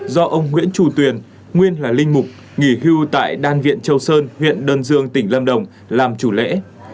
do ông nguyễn trù tuyền nguyên là linh mục nghỉ hưu tại đan viện châu sơn huyện đơn dương tỉnh lâm đồng làm chủ lễ